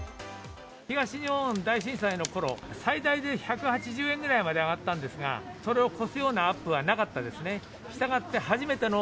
東日本大震災のころ、最大で１８０円ぐらいまで上がったんですが、それを超すようなアップはなかったですね。